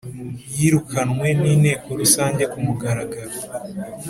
yirukanwe n Inteko Rusange kumugaragaro